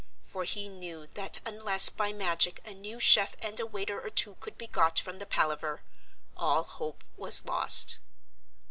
For he knew that unless by magic a new chef and a waiter or two could be got from the Palaver, all hope was lost.